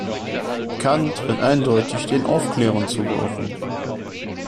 Kant wird eindeutig den Aufklärern zugeordnet.